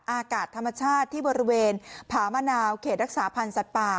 อากาศธรรมชาติที่บริเวณผามะนาวเขตรักษาพันธ์สัตว์ป่า